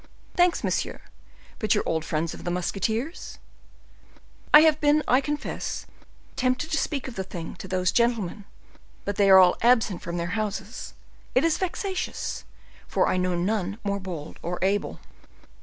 "Thanks, monsieur. But your old friends of the musketeers?" "I have been, I confess, tempted to speak of the thing to those gentlemen, but they are all absent from their houses. It is vexatious, for I know none more bold or able."